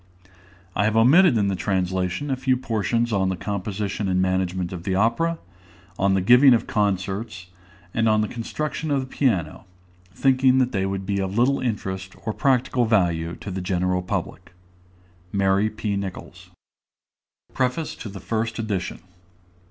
I have omitted in the translation a few portions on the composition and management of the opera, on the giving of concerts, and on the construction of the piano, thinking that they would be of little interest or practical value to the general public. MARY P. NICHOLS. PREFACE TO THE FIRST EDITION.